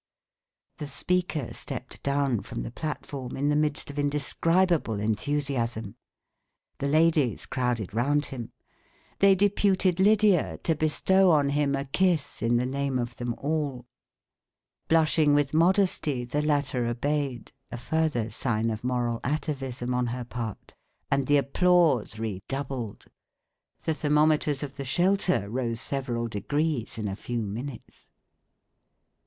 The speaker stepped down from the platform in the midst of indescribable enthusiasm: the ladies crowded round him. They deputed Lydia to bestow on him a kiss in the name of them all. Blushing with modesty the latter obeyed a further sign of moral atavism on her part and the applause redoubled. The thermometers of the shelter rose several degrees in a few minutes.